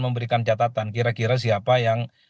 memberikan catatan kira kira siapa yang